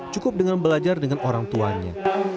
cukup dengan belajar dengan orang tuanya